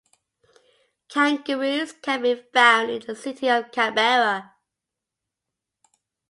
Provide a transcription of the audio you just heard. Kangaroos can be found in the city of Canberra